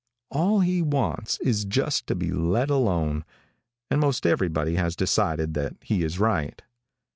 All he wants is just to be let alone, and most everybody has decided that he is right.